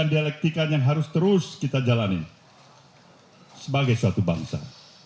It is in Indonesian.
dan ini adalah praktikan yang harus terus kita jalani sebagai suatu bangsa